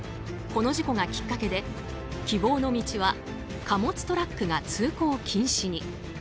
この事故がきっかけで希望の道は貨物トラックが通行禁止に。